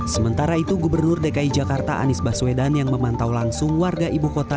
sementara itu gubernur dki jakarta anies baswedan yang memantau langsung warga ibu kota